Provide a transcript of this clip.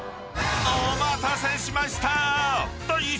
［お待たせしました！］